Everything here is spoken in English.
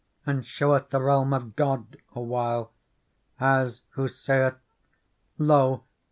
And showeth the Realm of God awhile, As who saith :' Lo